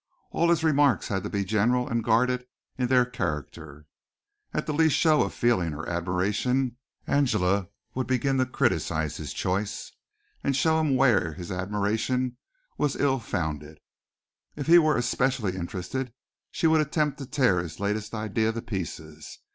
All his remarks had to be general and guarded in their character. At the least show of feeling or admiration Angela would begin to criticize his choice and to show him wherein his admiration was ill founded. If he were especially interested she would attempt to tear his latest ideal to pieces.